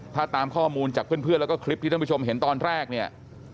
ถ้าตามข้อมูลจากเพื่อนแล้วก็คลิปที่ท่านผู้ชมเห็นตอนแรกเนี่ย